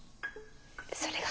それが。